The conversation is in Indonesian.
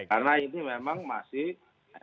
karena ini memang masih